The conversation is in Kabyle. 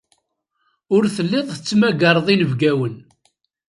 Ur telliḍ tettmagareḍ inebgawen.